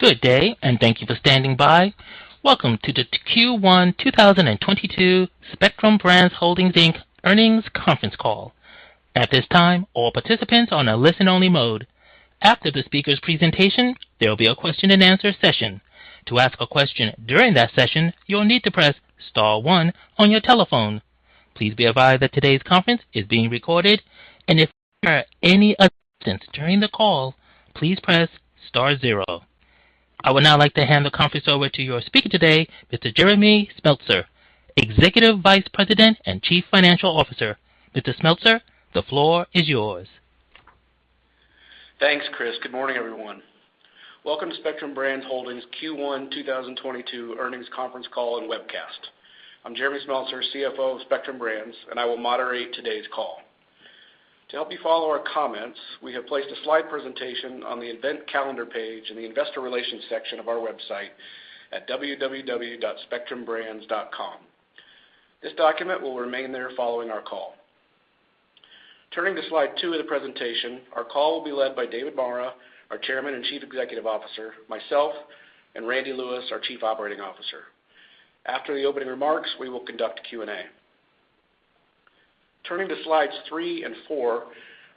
Good day, and thank you for standing by. Welcome to the Q1 2022 Spectrum Brands Holdings, Inc Earnings Conference Call. At this time, all participants are on a listen-only mode. After the speaker's presentation, there will be a question-and-answer session. To ask a question during that session, you'll need to press star one on your telephone. Please be advised that today's conference is being recorded and if you need any assistance during the call, please press star zero. I would now like to hand the conference over to your speaker today, Mr. Jeremy Smeltser, Executive Vice President and Chief Financial Officer. Mr. Smeltser, the floor is yours. Thanks, Chris. Good morning, everyone. Welcome to Spectrum Brands Holdings Q1 2022 Earnings Conference Call and Webcast. I'm Jeremy Smeltser, CFO of Spectrum Brands, and I will moderate today's call. To help you follow our comments, we have placed a slide presentation on the event calendar page in the Investor Relations section of our website at www.spectrumbrands.com. This document will remain there following our call. Turning to slide two of the presentation. Our call will be led by David Maura, our Chairman and Chief Executive Officer, myself, and Randy Lewis, our Chief Operating Officer. After the opening remarks, we will conduct Q&A. Turning to slides three and four.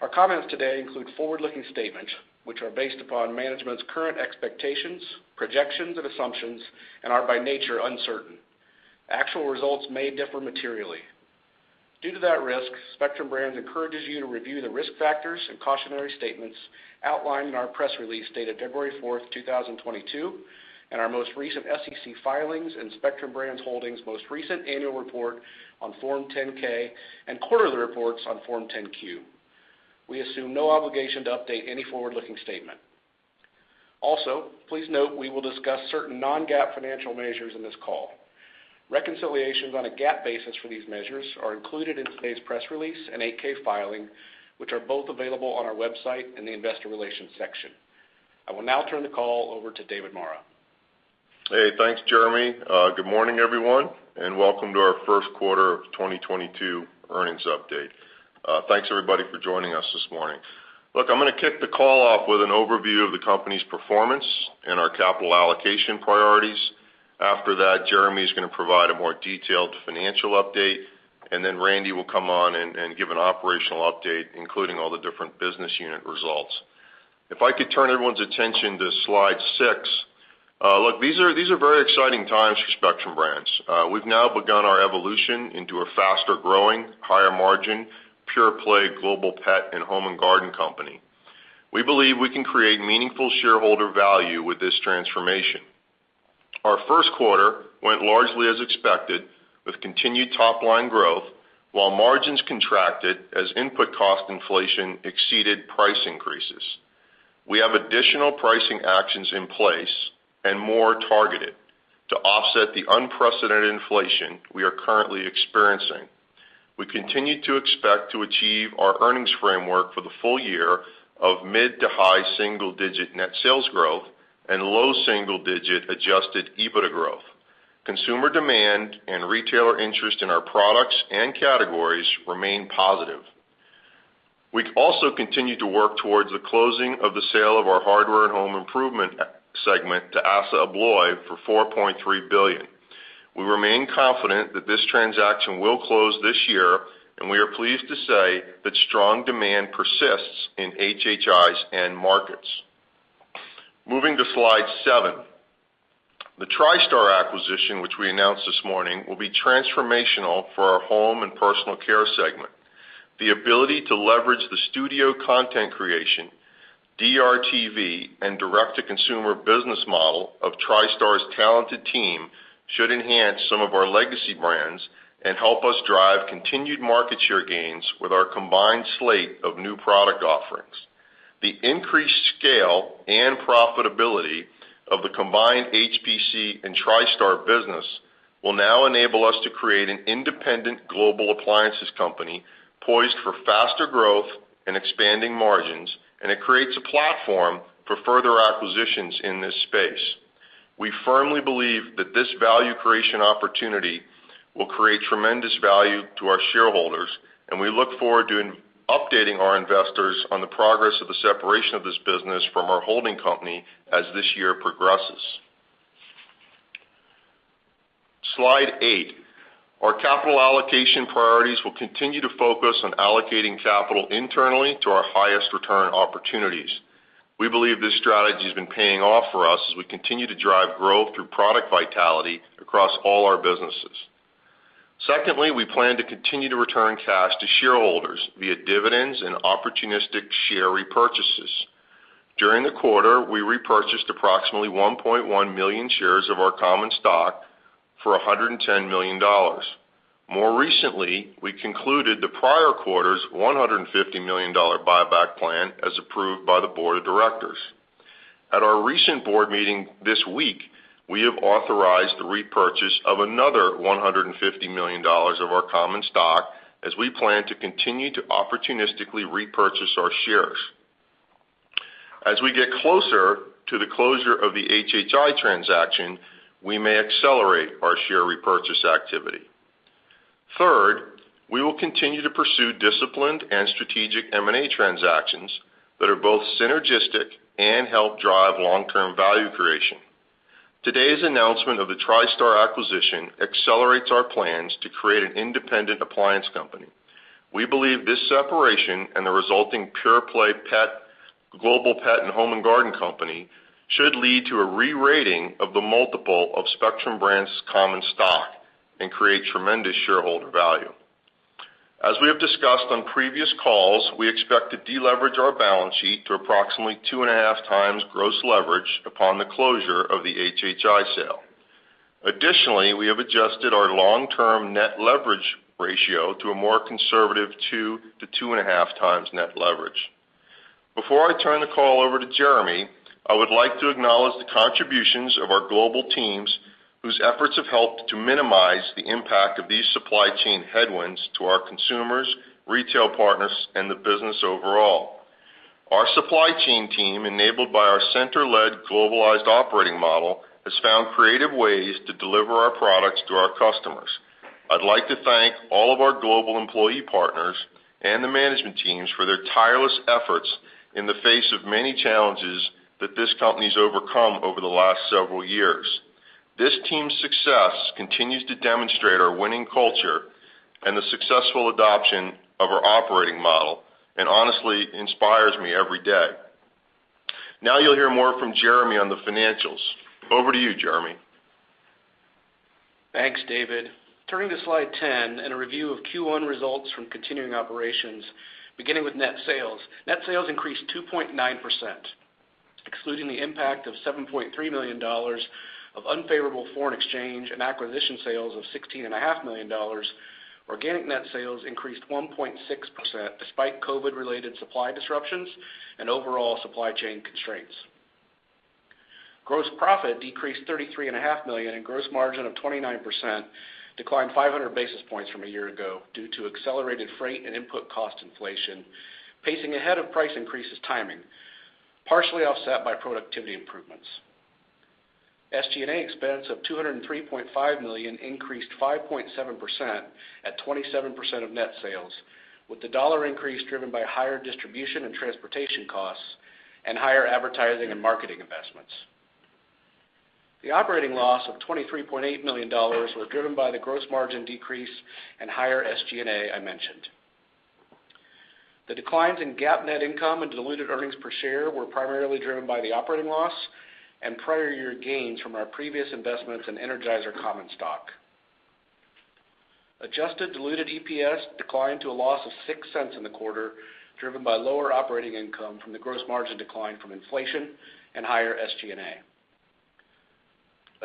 Our comments today include forward-looking statements which are based upon management's current expectations, projections, and assumptions and are by nature uncertain. Actual results may differ materially. Due to that risk, Spectrum Brands encourages you to review the risk factors and cautionary statements outlined in our press release dated February 4, 2022, and our most recent SEC filings and Spectrum Brands Holdings most recent annual report on Form 10-K and quarterly reports on Form 10-Q. We assume no obligation to update any forward-looking statement. Also, please note we will discuss certain non-GAAP financial measures in this call. Reconciliations on a GAAP basis for these measures are included in today's press release and 8-K filing, which are both available on our website in the investor relations section. I will now turn the call over to David Maura. Hey, thanks, Jeremy. Good morning, everyone, and welcome to our first quarter of 2022 earnings update. Thanks, everybody, for joining us this morning. Look, I'm gonna kick the call off with an overview of the company's performance and our capital allocation priorities. After that, Jeremy is gonna provide a more detailed financial update, and then Randy will come on and give an operational update, including all the different business unit results. If I could turn everyone's attention to slide six. Look, these are very exciting times for Spectrum Brands. We've now begun our evolution into a faster-growing, higher-margin, pure-play global pet and home and garden company. We believe we can create meaningful shareholder value with this transformation. Our first quarter went largely as expected with continued top-line growth, while margins contracted as input cost inflation exceeded price increases. We have additional pricing actions in place and more targeted to offset the unprecedented inflation we are currently experiencing. We continue to expect to achieve our earnings framework for the full year of mid- to high-single-digit net sales growth and low-single-digit Adjusted EBITDA growth. Consumer demand and retailer interest in our products and categories remain positive. We also continue to work towards the closing of the sale of our Hardware and Home Improvement segment to ASSA ABLOY for $4.3 billion. We remain confident that this transaction will close this year, and we are pleased to say that strong demand persists in HHIs and markets. Moving to slide seven. The Tristar acquisition, which we announced this morning, will be transformational for our Home and Personal Care segment. The ability to leverage the studio content creation, DRTV, and direct-to-consumer business model of Tristar's talented team should enhance some of our legacy brands and help us drive continued market share gains with our combined slate of new product offerings. The increased scale and profitability of the combined HPC and Tristar business will now enable us to create an independent global appliances company poised for faster growth and expanding margins, and it creates a platform for further acquisitions in this space. We firmly believe that this value creation opportunity will create tremendous value to our shareholders, and we look forward to updating our investors on the progress of the separation of this business from our holding company as this year progresses. Slide eight. Our capital allocation priorities will continue to focus on allocating capital internally to our highest return opportunities. We believe this strategy has been paying off for us as we continue to drive growth through product vitality across all our businesses. Secondly, we plan to continue to return cash to shareholders via dividends and opportunistic share repurchases. During the quarter, we repurchased approximately 1.1 million shares of our common stock for $110 million. More recently, we concluded the prior quarter's $150 million buyback plan as approved by the Board of Directors. At our recent board meeting this week, we have authorized the repurchase of another $150 million of our common stock as we plan to continue to opportunistically repurchase our shares. As we get closer to the closure of the HHI transaction, we may accelerate our share repurchase activity. Third, we will continue to pursue disciplined and strategic M&A transactions that are both synergistic and help drive long-term value creation. Today's announcement of the Tristar acquisition accelerates our plans to create an independent appliance company. We believe this separation and the resulting pure-play pet global pet and home and garden company should lead to a re-rating of the multiple of Spectrum Brands' common stock and create tremendous shareholder value. As we have discussed on previous calls, we expect to deleverage our balance sheet to approximately 2.5x gross leverage upon the closure of the HHI sale. Additionally, we have adjusted our long-term net leverage ratio to a more conservative 2x-2.5x Net leverage. Before I turn the call over to Jeremy, I would like to acknowledge the contributions of our global teams, whose efforts have helped to minimize the impact of these supply chain headwinds to our consumers, retail partners, and the business overall. Our supply chain team, enabled by our center-led globalized operating model, has found creative ways to deliver our products to our customers. I'd like to thank all of our global employee partners and the management teams for their tireless efforts in the face of many challenges that this company's overcome over the last several years. This team's success continues to demonstrate our winning culture and the successful adoption of our operating model and honestly inspires me every day. Now you'll hear more from Jeremy on the financials. Over to you, Jeremy. Thanks, David. Turning to slide 10 and a review of Q1 results from continuing operations, beginning with net sales. Net sales increased 2.9%. Excluding the impact of $7.3 million of unfavorable foreign exchange and acquisition sales of $16.5 million, organic net sales increased 1.6% despite COVID-related supply disruptions and overall supply chain constraints. Gross profit decreased $33.5 million, and gross margin of 29% declined 500 basis points from a year ago due to accelerated freight and input cost inflation, pacing ahead of price increases timing, partially offset by productivity improvements. SG&A expense of $203.5 million increased 5.7% at 27% of net sales, with the dollar increase driven by higher distribution and transportation costs and higher advertising and marketing investments. The operating loss of $23.8 million were driven by the gross margin decrease and higher SG&A I mentioned. The declines in GAAP net income and diluted earnings per share were primarily driven by the operating loss and prior year gains from our previous investments in Energizer common stock. Adjusted diluted EPS declined to a loss of $0.06 in the quarter, driven by lower operating income from the gross margin decline from inflation and higher SG&A.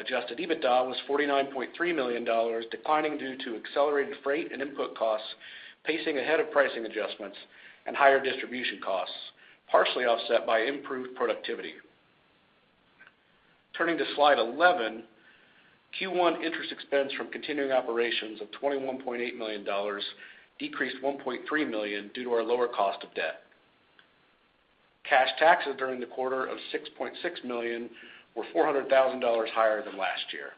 Adjusted EBITDA was $49.3 million, declining due to accelerated freight and input costs, pacing ahead of pricing adjustments and higher distribution costs, partially offset by improved productivity. Turning to slide 11, Q1 interest expense from continuing operations of $21.8 million decreased $1.3 million due to our lower cost of debt. Cash taxes during the quarter of $6.6 million were $400,000 higher than last year.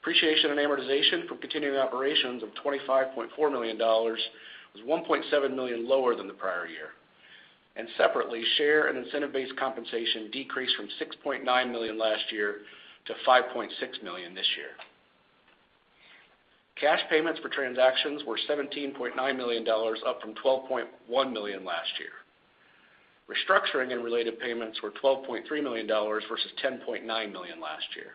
Depreciation and amortization from continuing operations of $25.4 million was $1.7 million lower than the prior year. Separately, share and incentive-based compensation decreased from $6.9 million last year to $5.6 million this year. Cash payments for transactions were $17.9 million, up from $12.1 million last year. Restructuring and related payments were $12.3 million versus $10.9 million last year.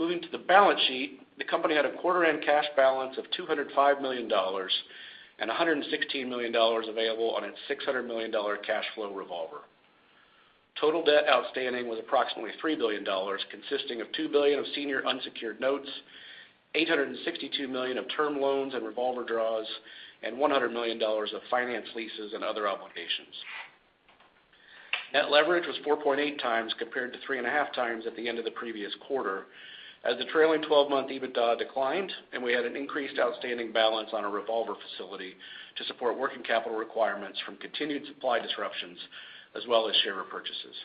Moving to the balance sheet, the company had a quarter-end cash balance of $205 million and $116 million available on its $600 million cash flow revolver. Total debt outstanding was approximately $3 billion, consisting of $2 billion of senior unsecured notes, $862 million of term loans and revolver draws, and $100 million of finance leases and other obligations. Net leverage was 4.8x compared to 3.5x at the end of the previous quarter as the trailing 12 month EBITDA declined, and we had an increased outstanding balance on our revolver facility to support working capital requirements from continued supply disruptions as well as share repurchases.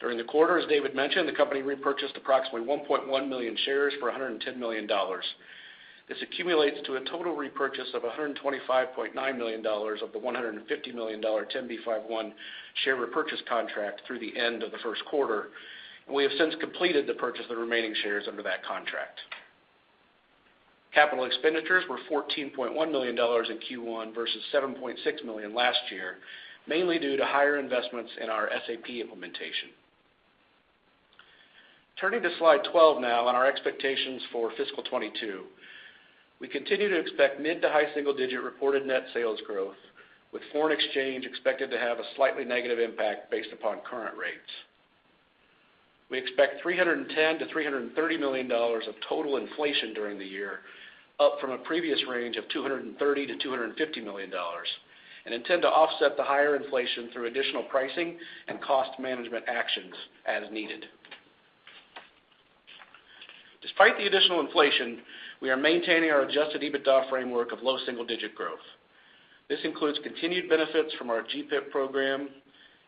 During the quarter, as David mentioned, the company repurchased approximately 1.1 million shares for $110 million. This accumulates to a total repurchase of $125.9 million of the $150 million 10b5-1 share repurchase contract through the end of the first quarter, and we have since completed the purchase of the remaining shares under that contract. Capital expenditures were $14.1 million in Q1 versus $7.6 million last year, mainly due to higher investments in our SAP implementation. Turning to slide 12 now on our expectations for fiscal 2022. We continue to expect mid- to high single-digit reported net sales growth, with foreign exchange expected to have a slightly negative impact based upon current rates. We expect $310 million-$330 million of total inflation during the year, up from a previous range of $230 million-$250 million, and intend to offset the higher inflation through additional pricing and cost management actions as needed. Despite the additional inflation, we are maintaining our Adjusted EBITDA framework of low single-digit growth. This includes continued benefits from our GPIP program,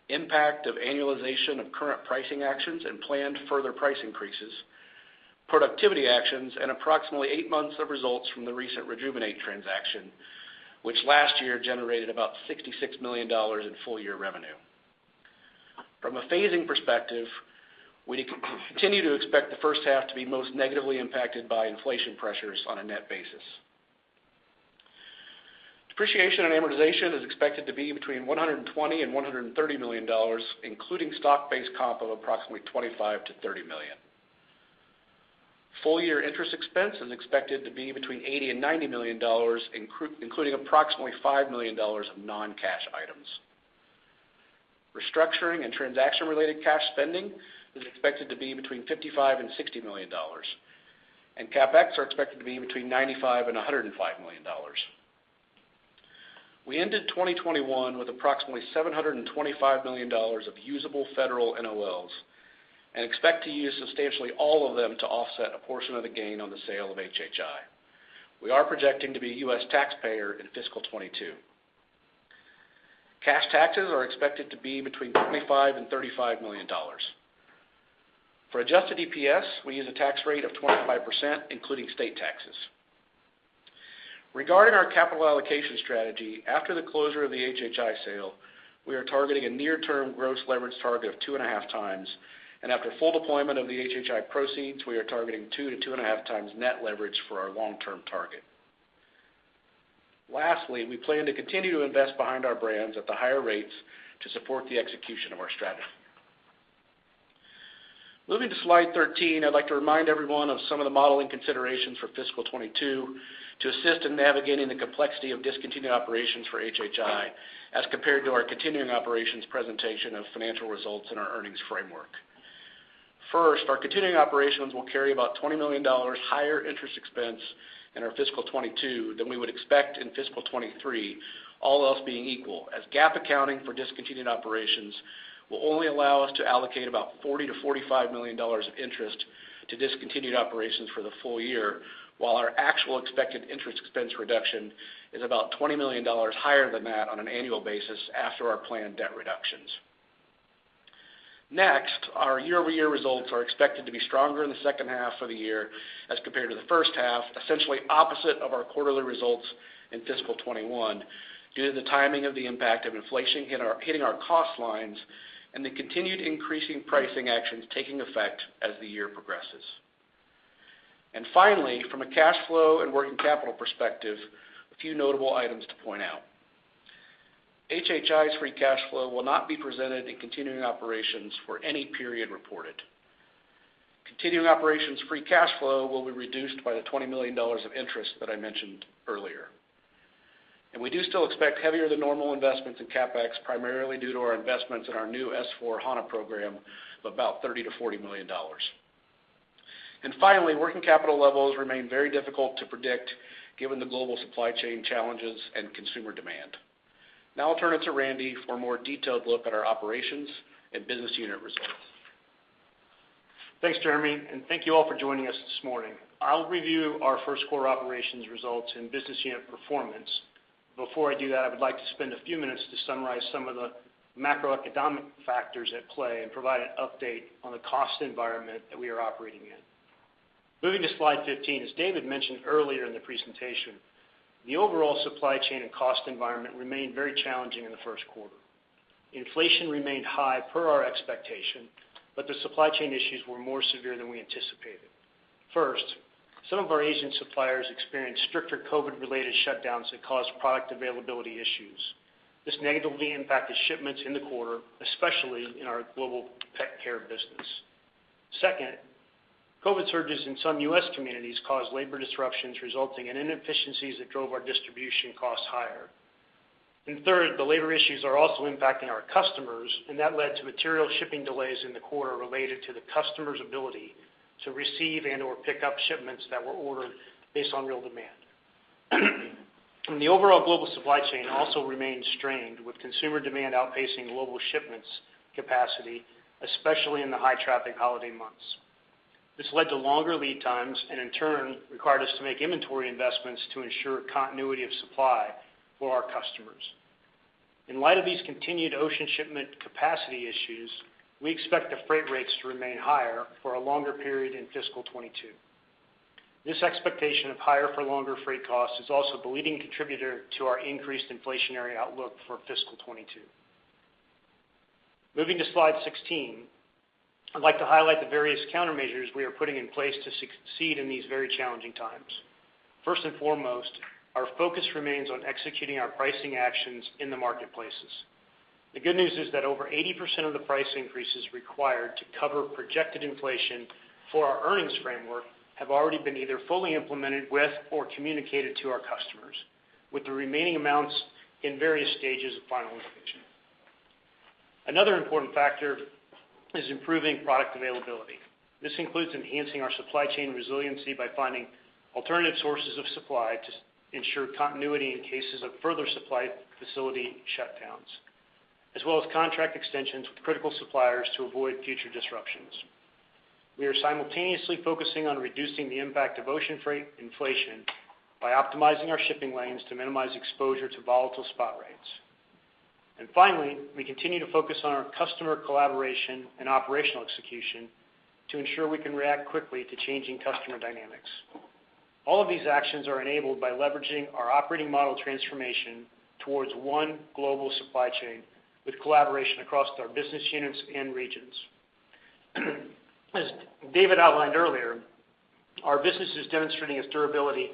impact of annualization of current pricing actions and planned further price increases, productivity actions, and approximately eight months of results from the recent Rejuvenate transaction, which last year generated about $66 million in full-year revenue. From a phasing perspective, we continue to expect the first half to be most negatively impacted by inflation pressures on a net basis. Depreciation and amortization is expected to be between $120 million and $130 million, including stock-based comp of approximately $25 million-$30 million. Full-year interest expense is expected to be between $80 million and $90 million, including approximately $5 million of non-cash items. Restructuring and transaction-related cash spending is expected to be between $55 million and $60 million, and CapEx are expected to be between $95 million and $105 million. We ended 2021 with approximately $725 million of usable federal NOLs and expect to use substantially all of them to offset a portion of the gain on the sale of HHI. We are projecting to be a U.S. taxpayer in fiscal 2022. Cash taxes are expected to be between $25 million and $35 million. For adjusted EPS, we use a tax rate of 25%, including state taxes. Regarding our capital allocation strategy, after the closure of the HHI sale, we are targeting a near-term gross leverage target of 2.5x, and after full deployment of the HHI proceeds, we are targeting 2x-2.5x net leverage for our long-term target. Lastly, we plan to continue to invest behind our brands at the higher rates to support the execution of our strategy. Moving to slide 13, I'd like to remind everyone of some of the modeling considerations for fiscal 2022 to assist in navigating the complexity of discontinued operations for HHI as compared to our continuing operations presentation of financial results in our earnings framework. First, our continuing operations will carry about $20 million higher interest expense in our fiscal 2022 than we would expect in fiscal 2023, all else being equal, as GAAP accounting for discontinued operations will only allow us to allocate about $40 million-$45 million of interest to discontinued operations for the full year, while our actual expected interest expense reduction is about $20 million higher than that on an annual basis after our planned debt reductions. Next, our year-over-year results are expected to be stronger in the second half of the year as compared to the first half, essentially opposite of our quarterly results in fiscal 2021 due to the timing of the impact of inflation hitting our cost lines and the continued increasing pricing actions taking effect as the year progresses. Finally, from a cash flow and working capital perspective, a few notable items to point out. HHI's free cash flow will not be presented in continuing operations for any period reported. Continuing operations free cash flow will be reduced by the $20 million of interest that I mentioned earlier. We do still expect heavier than normal investments in CapEx, primarily due to our investments in our new S/4HANA program of about $30 million-$40 million. Finally, working capital levels remain very difficult to predict given the global supply chain challenges and consumer demand. Now I'll turn it to Randy for a more detailed look at our operations and business unit results. Thanks, Jeremy, and thank you all for joining us this morning. I'll review our first quarter operations results and business unit performance. Before I do that, I would like to spend a few minutes to summarize some of the macroeconomic factors at play and provide an update on the cost environment that we are operating in. Moving to slide 15, as David mentioned earlier in the presentation, the overall supply chain and cost environment remained very challenging in the first quarter. Inflation remained high per our expectation, but the supply chain issues were more severe than we anticipated. First, some of our Asian suppliers experienced stricter COVID-related shutdowns that caused product availability issues. This negatively impacted shipments in the quarter, especially in our Global Pet Care business. Second, COVID surges in some U.S. communities caused labor disruptions resulting in inefficiencies that drove our distribution costs higher. Third, the labor issues are also impacting our customers, and that led to material shipping delays in the quarter related to the customers's ability to receive and/or pick up shipments that were ordered based on real demand. The overall global supply chain also remains strained, with consumer demand outpacing global shipment capacity, especially in the high traffic holiday months. This led to longer lead times and in turn required us to make inventory investments to ensure continuity of supply for our customers. In light of these continued ocean shipment capacity issues, we expect the freight rates to remain higher for a longer period in fiscal 2022. This expectation of higher for longer freight costs is also the leading contributor to our increased inflationary outlook for fiscal 2022. Moving to slide 16, I'd like to highlight the various countermeasures we are putting in place to succeed in these very challenging times. First and foremost, our focus remains on executing our pricing actions in the marketplaces. The good news is that over 80% of the price increases required to cover projected inflation for our earnings framework have already been either fully implemented with or communicated to our customers, with the remaining amounts in various stages of finalization. Another important factor is improving product availability. This includes enhancing our supply chain resiliency by finding alternative sources of supply to ensure continuity in cases of further supply facility shutdowns, as well as contract extensions with critical suppliers to avoid future disruptions. We are simultaneously focusing on reducing the impact of ocean freight inflation by optimizing our shipping lanes to minimize exposure to volatile spot rates. Finally, we continue to focus on our customer collaboration and operational execution to ensure we can react quickly to changing customer dynamics. All of these actions are enabled by leveraging our operating model transformation towards one global supply chain, with collaboration across our business units and regions. As David outlined earlier, our business is demonstrating its durability,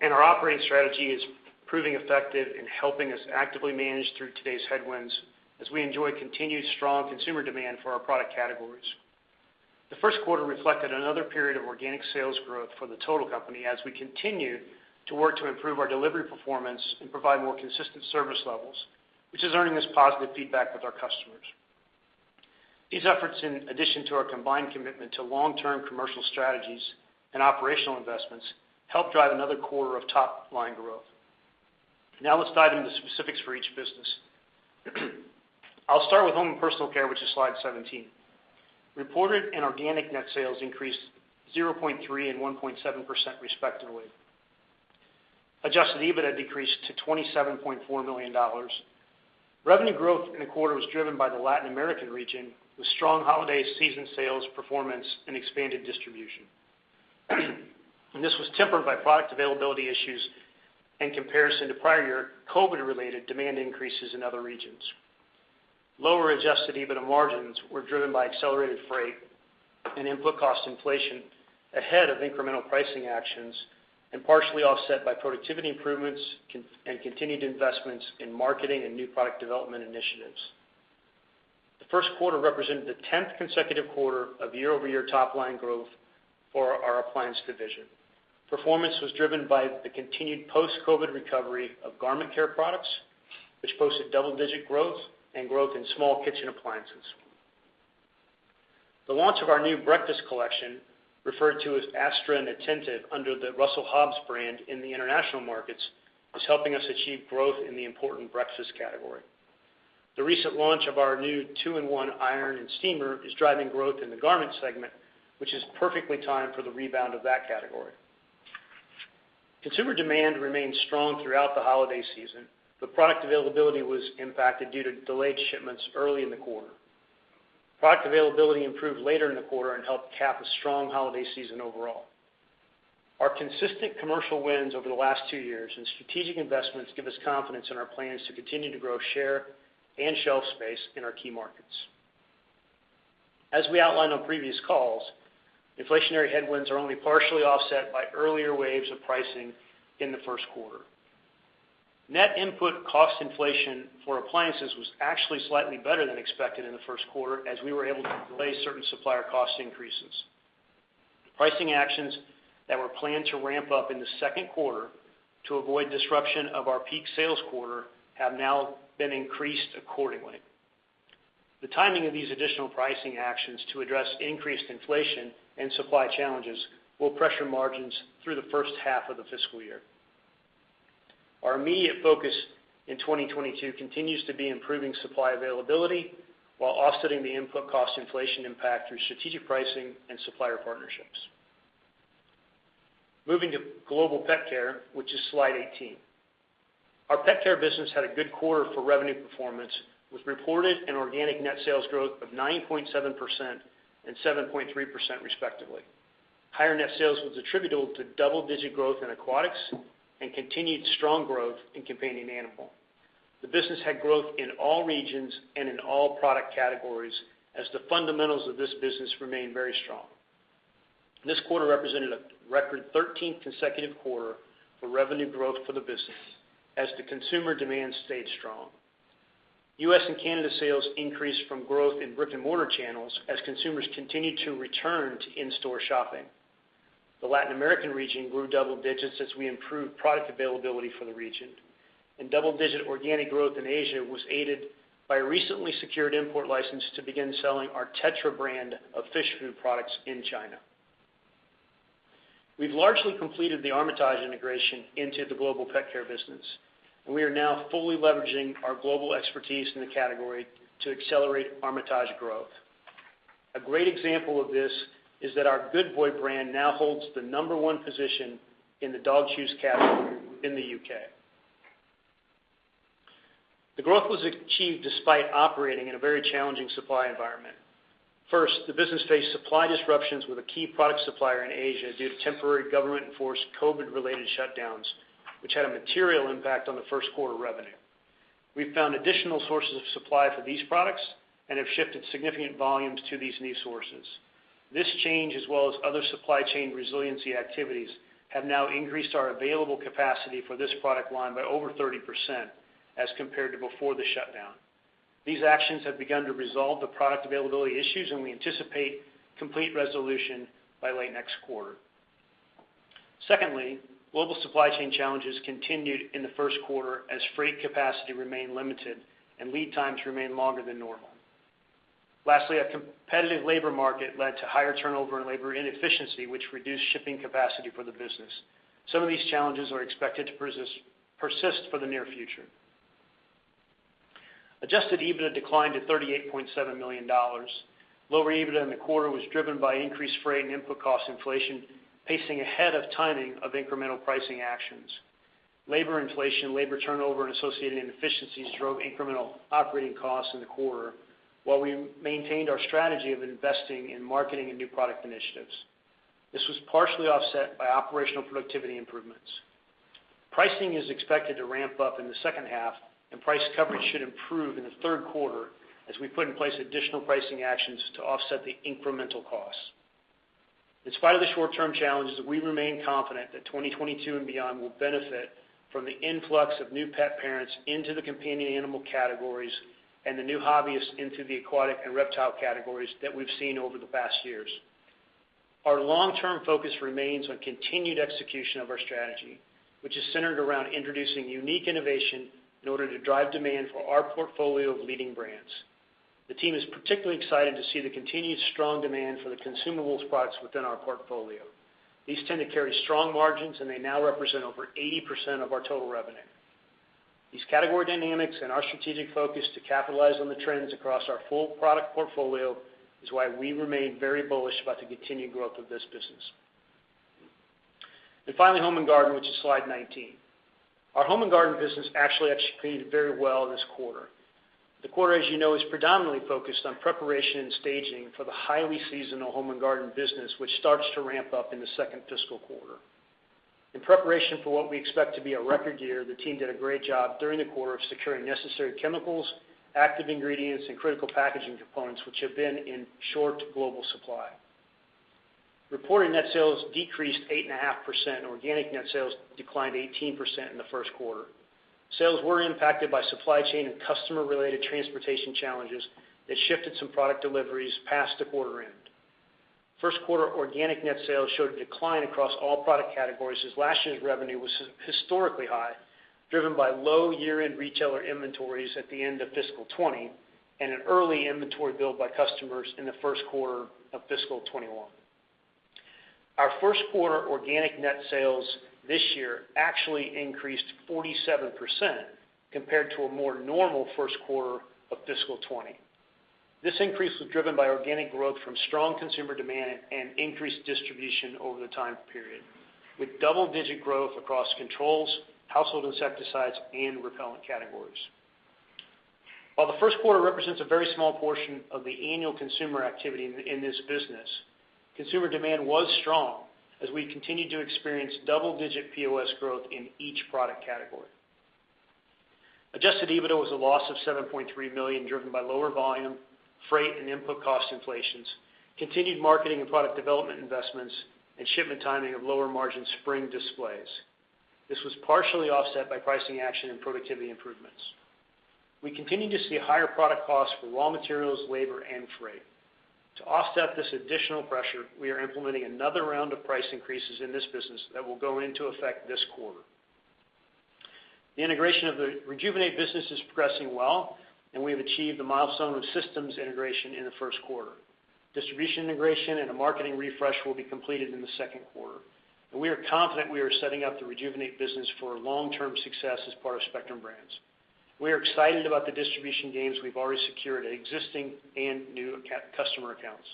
and our operating strategy is proving effective in helping us actively manage through today's headwinds as we enjoy continued strong consumer demand for our product categories. The first quarter reflected another period of organic sales growth for the total company as we continue to work to improve our delivery performance and provide more consistent service levels, which is earning us positive feedback with our customers. These efforts, in addition to our combined commitment to long-term commercial strategies and operational investments, help drive another quarter of top-line growth. Now let's dive into the specifics for each business. I'll start with Home and Personal Care, which is slide 17. Reported and organic net sales increased 0.3% and 1.7% respectively. Adjusted EBITDA decreased to $27.4 million. Revenue growth in the quarter was driven by the Latin American region, with strong holiday season sales performance and expanded distribution. This was tempered by product availability issues in comparison to prior-year COVID-related demand increases in other regions. Lower Adjusted EBITDA margins were driven by accelerated freight and input cost inflation ahead of incremental pricing actions, and partially offset by productivity improvements and continued investments in marketing and new product development initiatives. The first quarter represented the 10th consecutive quarter of year-over-year top-line growth for our Appliance division. Performance was driven by the continued post-COVID recovery of garment care products, which posted double-digit growth and growth in small kitchen appliances. The launch of our new breakfast collection, referred to as Astra and Attentiv under the Russell Hobbs brand in the international markets, is helping us achieve growth in the important breakfast category. The recent launch of our new two-in-one iron and steamer is driving growth in the garment segment, which is perfectly timed for the rebound of that category. Consumer demand remained strong throughout the holiday season, but product availability was impacted due to delayed shipments early in the quarter. Product availability improved later in the quarter and helped cap a strong holiday season overall. Our consistent commercial wins over the last two years and strategic investments give us confidence in our plans to continue to grow share and shelf space in our key markets. As we outlined on previous calls, inflationary headwinds are only partially offset by earlier waves of pricing in the first quarter. Net input cost inflation for appliances was actually slightly better than expected in the first quarter, as we were able to delay certain supplier cost increases. The pricing actions that were planned to ramp up in the second quarter to avoid disruption of our peak sales quarter have now been increased accordingly. The timing of these additional pricing actions to address increased inflation and supply challenges will pressure margins through the first half of the fiscal year. Our immediate focus in 2022 continues to be improving supply availability while offsetting the input cost inflation impact through strategic pricing and supplier partnerships. Moving to Global Pet Care, which is slide 18. Our Petcare business had a good quarter for revenue performance, with reported and organic net sales growth of 9.7% and 7.3%, respectively. Higher net sales was attributable to double-digit growth in aquatics and continued strong growth in companion animal. The business had growth in all regions and in all product categories, as the fundamentals of this business remain very strong. This quarter represented a record 13th consecutive quarter for revenue growth for the business as the consumer demand stayed strong. U.S. and Canada sales increased from growth in brick-and-mortar channels as consumers continued to return to in-store shopping. The Latin American region grew double digits as we improved product availability for the region, and double-digit organic growth in Asia was aided by a recently secured import license to begin selling our Tetra brand of fish food products in China. We've largely completed the Armitage integration into the Global Pet Care business, and we are now fully leveraging our global expertise in the category to accelerate Armitage growth. A great example of this is that our Good Boy brand now holds the number one position in the dog chews category in the U.K. The growth was achieved despite operating in a very challenging supply environment. First, the business faced supply disruptions with a key product supplier in Asia due to temporary government-enforced COVID-related shutdowns, which had a material impact on the first quarter revenue. We found additional sources of supply for these products and have shifted significant volumes to these new sources. This change, as well as other supply chain resiliency activities, have now increased our available capacity for this product line by over 30% as compared to before the shutdown. These actions have begun to resolve the product availability issues, and we anticipate complete resolution by late next quarter. Secondly, global supply chain challenges continued in the first quarter as freight capacity remained limited and lead times remained longer than normal. Lastly, a competitive labor market led to higher turnover and labor inefficiency, which reduced shipping capacity for the business. Some of these challenges are expected to persist for the near future. Adjusted EBITDA declined to $38.7 million. Lower EBITDA in the quarter was driven by increased freight and input cost inflation, pacing ahead of timing of incremental pricing actions. Labor inflation, labor turnover, and associated inefficiencies drove incremental operating costs in the quarter, while we maintained our strategy of investing in marketing and new product initiatives. This was partially offset by operational productivity improvements. Pricing is expected to ramp up in the second half, and price coverage should improve in the third quarter as we put in place additional pricing actions to offset the incremental costs. In spite of the short-term challenges, we remain confident that 2022 and beyond will benefit from the influx of new pet parents into the companion animal categories and the new hobbyists into the aquatic and reptile categories that we've seen over the past years. Our long-term focus remains on continued execution of our strategy, which is centered around introducing unique innovation in order to drive demand for our portfolio of leading brands. The team is particularly excited to see the continued strong demand for the consumables products within our portfolio. These tend to carry strong margins, and they now represent over 80% of our total revenue. These category dynamics and our strategic focus to capitalize on the trends across our full product portfolio is why we remain very bullish about the continued growth of this business. Finally, Home and Garden, which is slide 19. Our Home and Garden business actually executed very well this quarter. The quarter, as you know, is predominantly focused on preparation and staging for the highly seasonal Home and Garden business, which starts to ramp up in the second fiscal quarter. In preparation for what we expect to be a record year, the team did a great job during the quarter of securing necessary chemicals, active ingredients, and critical packaging components, which have been in short global supply. Reporting net sales decreased 8.5%. Organic net sales declined 18% in the first quarter. Sales were impacted by supply chain and customer-related transportation challenges that shifted some product deliveries past the quarter end. First quarter organic net sales showed a decline across all product categories, as last year's revenue was historically high, driven by low year-end retailer inventories at the end of fiscal 2020, and an early inventory build by customers in the first quarter of fiscal 2021. Our first quarter organic net sales this year actually increased 47% compared to a more normal first quarter of fiscal 2020. This increase was driven by organic growth from strong consumer demand and increased distribution over the time period, with double-digit growth across controls, household insecticides, and repellent categories. While the first quarter represents a very small portion of the annual consumer activity in this business, consumer demand was strong as we continued to experience double-digit POS growth in each product category. Adjusted EBITDA was a loss of $7.3 million, driven by lower volume, freight, and input cost inflations, continued marketing and product development investments, and shipment timing of lower margin spring displays. This was partially offset by pricing action and productivity improvements. We continue to see higher product costs for raw materials, labor, and freight. To offset this additional pressure, we are implementing another round of price increases in this business that will go into effect this quarter. The integration of the Rejuvenate business is progressing well, and we have achieved the milestone of systems integration in the first quarter. Distribution integration and a marketing refresh will be completed in the second quarter, and we are confident we are setting up the Rejuvenate business for long-term success as part of Spectrum Brands. We are excited about the distribution gains we've already secured at existing and new customer accounts.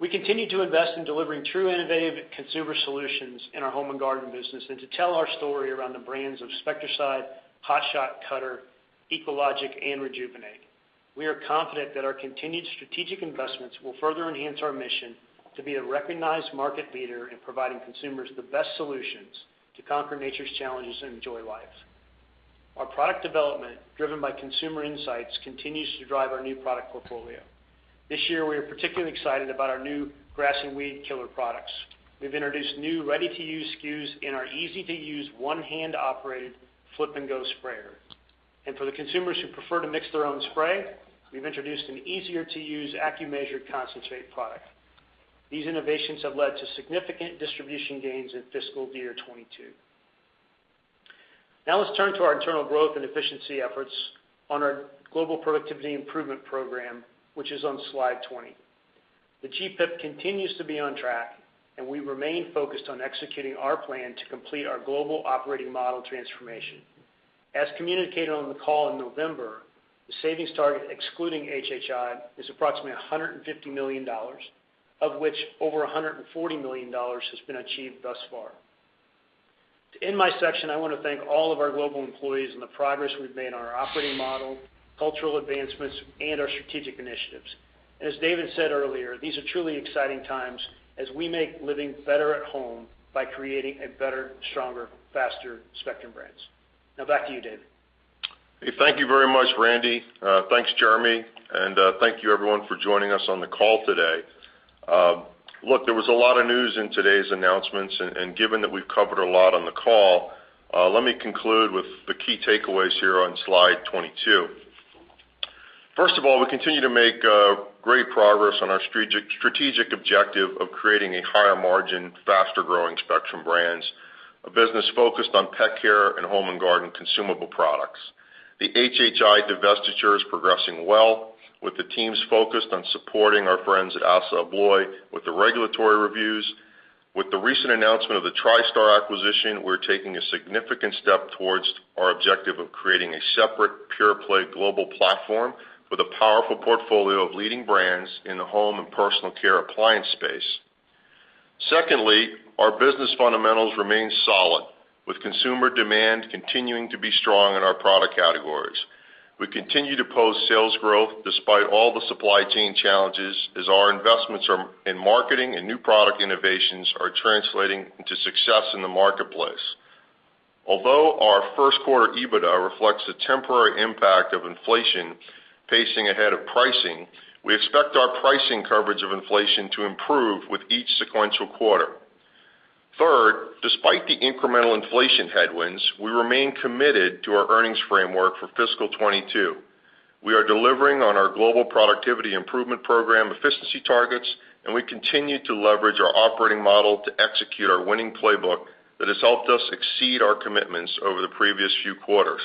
We continue to invest in delivering true innovative consumer solutions in our Home and Garden business and to tell our story around the brands of Spectracide, Hot Shot, Cutter, EcoLogic, and Rejuvenate. We are confident that our continued strategic investments will further enhance our mission to be a recognized market leader in providing consumers the best solutions to conquer nature's challenges and enjoy life. Our product development, driven by consumer insights, continues to drive our new product portfolio. This year, we are particularly excited about our new grass and weed killer products. We've introduced new ready-to-use SKUs in our easy-to-use one-hand operated Flip & Go Sprayer. For the consumers who prefer to mix their own spray, we've introduced an easier-to-use AccuMeasure concentrate product. These innovations have led to significant distribution gains in fiscal year 2022. Now let's turn to our internal growth and efficiency efforts on our Global Productivity Improvement Program, which is on slide 20. The GPIP continues to be on track, and we remain focused on executing our plan to complete our global operating model transformation. As communicated on the call in November, the savings target, excluding HHI, is approximately $150 million, of which over $140 million has been achieved thus far. To end my section, I wanna thank all of our global employees on the progress we've made on our operating model, cultural advancements, and our strategic initiatives. As David said earlier, these are truly exciting times as we make living better at home by creating a better, stronger, faster Spectrum Brands. Now back to you, David. Hey, thank you very much, Randy. Thanks Jeremy, and thank you, everyone, for joining us on the call today. Look, there was a lot of news in today's announcements, and given that we've covered a lot on the call, let me conclude with the key takeaways here on slide 22. First of all, we continue to make great progress on our strategic objective of creating a higher margin, faster growing Spectrum Brands, a business focused on pet care and home and garden consumable products. The HHI is progressing well with the teams focused on supporting our friends at ASSA ABLOY with the regulatory reviews. With the recent announcement of the Tristar acquisition, we're taking a significant step towards our objective of creating a separate pure-play global platform with a powerful portfolio of leading brands in the home and personal care appliance space. Secondly, our business fundamentals remain solid, with consumer demand continuing to be strong in our product categories. We continue to post sales growth despite all the supply chain challenges as our investments in marketing and new product innovations are translating into success in the marketplace. Although our first quarter EBITDA reflects the temporary impact of inflation pacing ahead of pricing, we expect our pricing coverage of inflation to improve with each sequential quarter. Third, despite the incremental inflation headwinds, we remain committed to our earnings framework for fiscal 2022. We are delivering on our Global Productivity Improvement Program efficiency targets, and we continue to leverage our operating model to execute our winning playbook that has helped us exceed our commitments over the previous few quarters.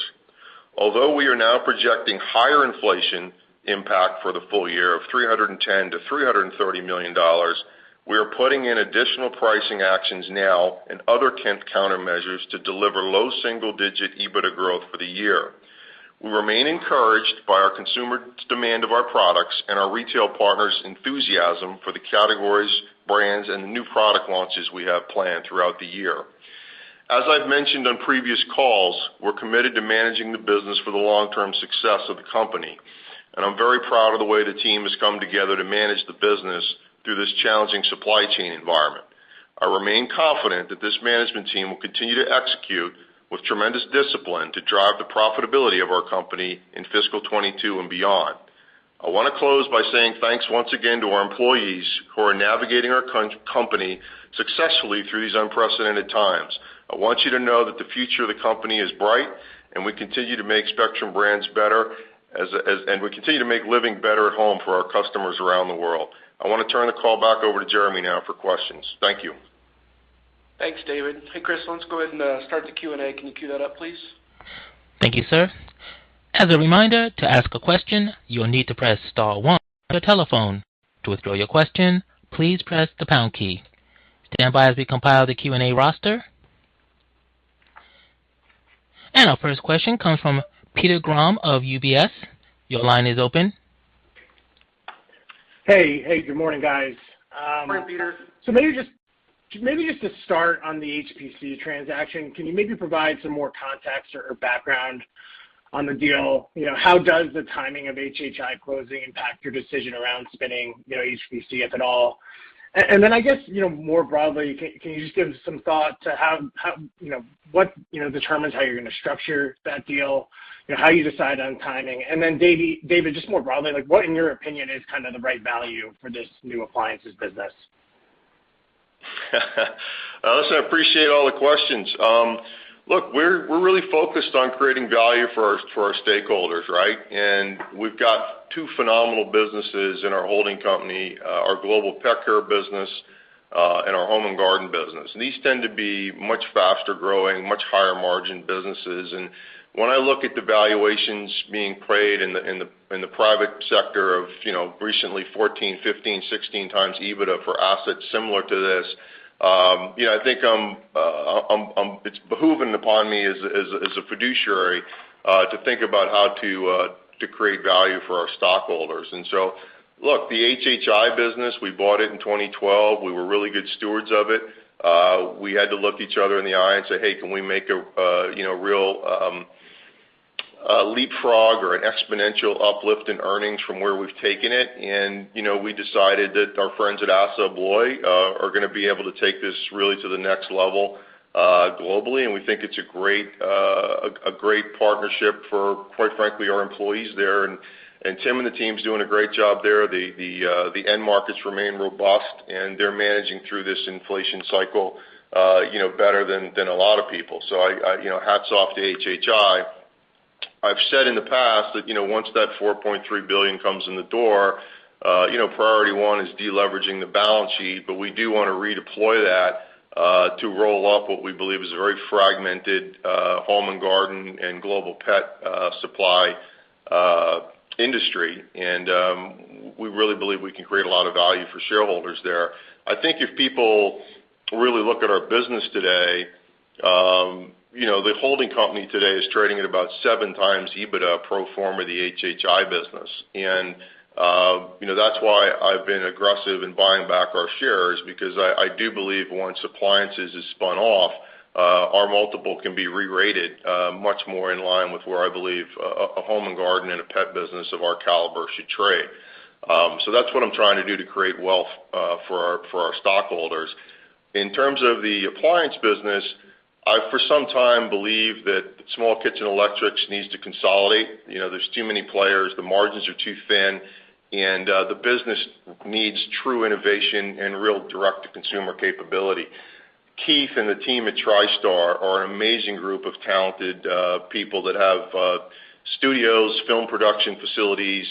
Although we are now projecting higher inflation impact for the full year of $310 million-$330 million, we are putting in additional pricing actions now and other countermeasures to deliver low single-digit EBITDA growth for the year. We remain encouraged by our consumer demand of our products and our retail partners' enthusiasm for the categories, brands and new product launches we have planned throughout the year. As I've mentioned on previous calls, we're committed to managing the business for the long-term success of the company, and I'm very proud of the way the team has come together to manage the business through this challenging supply chain environment. I remain confident that this management team will continue to execute with tremendous discipline to drive the profitability of our company in fiscal 2022 and beyond. I wanna close by saying thanks once again to our employees who are navigating our company successfully through these unprecedented times. I want you to know that the future of the company is bright, and we continue to make Spectrum Brands better, and we continue to make living better at home for our customers around the world. I wanna turn the call back over to Jeremy now for questions. Thank you. Thanks, David. Hey, Chris, let's go ahead and start the Q&A. Can you queue that up, please? Thank you, sir. As a reminder, to ask a question, you will need to press star one on your telephone. To withdraw your question, please press the pound key. Stand by as we compile the Q&A roster. Our first question comes from Peter Grom of UBS. Your line is open. Hey. Hey, good morning, guys. Morning, Peter. Maybe just to start on the HPC transaction, can you maybe provide some more context or background on the deal? You know, how does the timing of HHI closing impact your decision around spinning HPC, if at all? Then I guess, you know, more broadly, can you just give some thought to how, you know, what determines how you're gonna structure that deal? You know, how you decide on timing? Then David, just more broadly, like, what in your opinion is kind of the right value for this new appliances business? Listen, I appreciate all the questions. Look, we're really focused on creating value for our stakeholders, right? We've got two phenomenal businesses in our holding company, our Global PetCare business, and our Home and Garden business. These tend to be much faster-growing, much higher-margin businesses. When I look at the valuations being paid in the private sector, you know, recently 14x, 15x, 16x EBITDA for assets similar to this, you know, I think, it behooves me as a fiduciary to think about how to create value for our stockholders. Look, the HHI business, we bought it in 2012. We were really good stewards of it. We had to look each other in the eye and say, "Hey, can we make a, you know, real leapfrog or an exponential uplift in earnings from where we've taken it?" You know, we decided that our friends at ASSA ABLOY are gonna be able to take this really to the next level, globally, and we think it's a great partnership for, quite frankly, our employees there. Tim and the team's doing a great job there. The end markets remain robust, and they're managing through this inflation cycle, you know, better than a lot of people. I, you know, hats off to HHI. I've said in the past that, you know, once that $4.3 billion comes in the door, you know, priority one is deleveraging the balance sheet, but we do wanna redeploy that to roll up what we believe is a very fragmented home and garden and global pet supply industry. We really believe we can create a lot of value for shareholders there. I think if people really look at our business today, you know, the holding company today is trading at about 7x EBITDA pro forma the HHI business. You know, that's why I've been aggressive in buying back our shares because I do believe once appliances is spun off, our multiple can be re-rated, much more in line with where I believe a Home and Garden and a pet business of our caliber should trade. That's what I'm trying to do to create wealth for our stockholders. In terms of the appliance business, I've for some time believed that small kitchen electrics needs to consolidate. You know, there's too many players, the margins are too thin, and the business needs true innovation and real direct to consumer capability. Keith and the team at Tristar are an amazing group of talented people that have studios, film production facilities.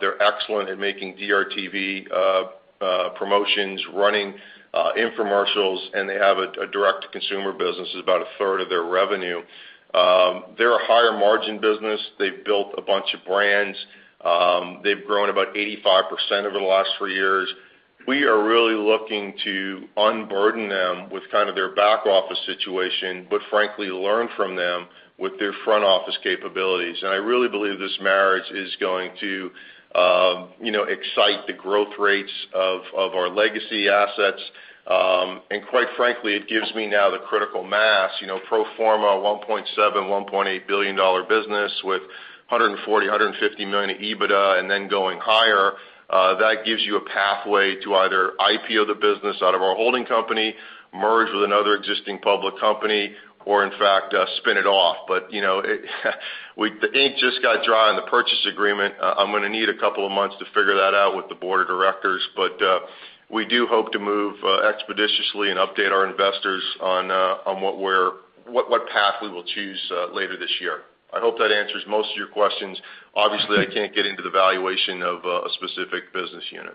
They're excellent at making DRTV promotions, running infomercials, and they have a direct to consumer business. It's about a third of their revenue. They're a higher margin business. They've built a bunch of brands. They've grown about 85% over the last three years. We are really looking to unburden them with kind of their back office situation, but frankly, learn from them with their front office capabilities. I really believe this marriage is going to, you know, excite the growth rates of our legacy assets. Quite frankly, it gives me now the critical mass, you know, pro forma $1.7 billion-$1.8 billion business with $140 million-$150 million EBITDA and then going higher, that gives you a pathway to either IPO the business out of our holding company, merge with another existing public company, or in fact, spin it off. You know, we the ink just got dry in the purchase agreement. I'm gonna need a couple of months to figure that out with the Board of Directors. We do hope to move expeditiously and update our investors on what path we will choose later this year. I hope that answers most of your questions. Obviously, I can't get into the valuation of a specific business unit.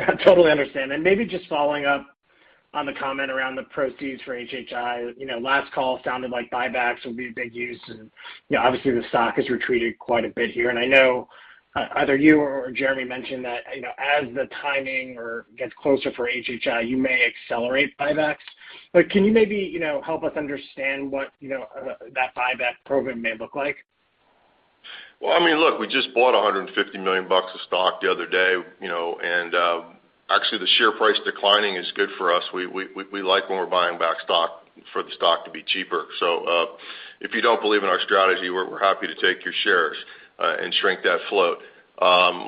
I totally understand. Maybe just following up on the comment around the proceeds for HHI. You know, last call sounded like buybacks will be a big use, and, you know, obviously, the stock has retreated quite a bit here. I know either you or Jeremy mentioned that, you know, as the timing gets closer for HHI, you may accelerate buybacks. Can you maybe, you know, help us understand what, you know, that buyback program may look like? Well, I mean, look, we just bought $150 million of stock the other day, you know, and actually the share price declining is good for us. We like when we're buying back stock for the stock to be cheaper. If you don't believe in our strategy, we're happy to take your shares and shrink that float.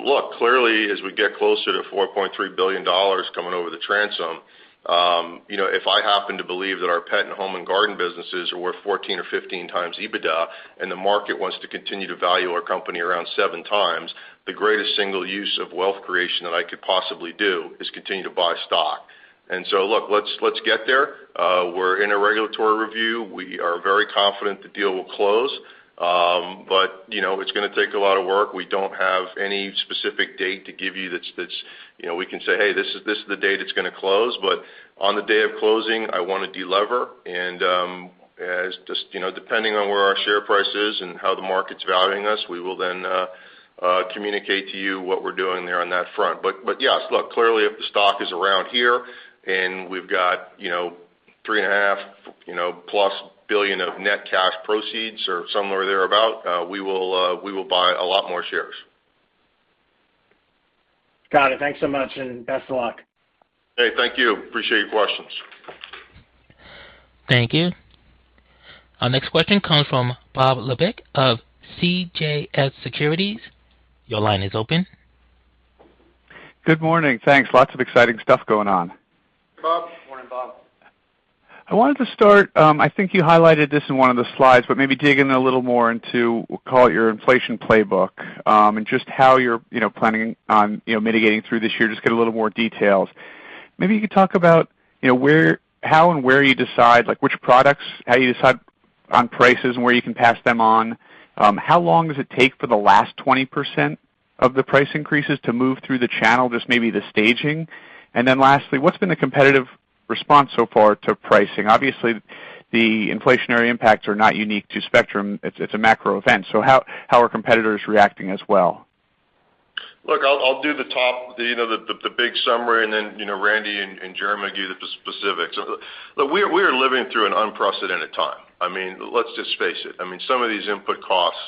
Look, clearly as we get closer to $4.3 billion coming over the transom, you know, if I happen to believe that our pet and home and garden businesses are worth 14x or 15x EBITDA, and the market wants to continue to value our company around seven times, the greatest single use of wealth creation that I could possibly do is continue to buy stock. Look, let's get there. We're in a regulatory review. We are very confident the deal will close. You know, it's gonna take a lot of work. We don't have any specific date to give, you know, we can say, "Hey, this is the date it's gonna close." On the day of closing, I wanna delever. As just, you know, depending on where our share price is and how the market's valuing us, we will then communicate to you what we're doing there on that front. Yes, look, clearly if the stock is around here and we've got, you know, $3.5 billion+ of net cash proceeds or somewhere thereabout, we will buy a lot more shares. Got it. Thanks so much, and best of luck. Hey, thank you. Appreciate your questions. Thank you. Our next question comes from Bob Labick of CJS Securities. Your line is open. Good morning. Thanks. Lots of exciting stuff going on. Hey, Bob. Morning, Bob. I wanted to start. I think you highlighted this in one of the slides, but maybe dig in a little more into, we'll call it your inflation playbook, and just how you're, you know, planning on, you know, mitigating through this year—just get a little more details. Maybe you could talk about, you know, how and where you decide, like which products, how you decide on prices, and where you can pass them on. How long does it take for the last 20% of the price increases to move through the channel, just maybe the staging? And then lastly, what's been the competitive response so far to pricing? Obviously, the inflationary impacts are not unique to Spectrum. It's a macro event. So how are competitors reacting as well? Look, I'll do the top, you know, the big summary, and then, you know, Randy and Jeremy will give you the specifics. Look, we are living through an unprecedented time. I mean, let's just face it. I mean, some of these input costs,